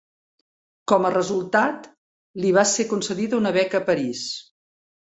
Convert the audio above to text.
Com a resultat, li va ser concedida una beca a París.